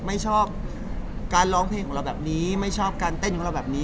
ไม่ชอบการร้องเพลงของเราแบบนี้ไม่ชอบการเต้นของเราแบบนี้